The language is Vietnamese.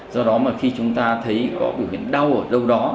do đó mà khi chúng ta thấy có biểu hiện đau ở đâu đó